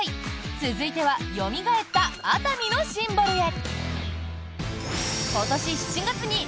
続いてはよみがえった熱海のシンボルへ。